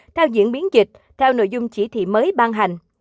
theo diễn biến dịch theo nội dung chỉ thị mới ban hành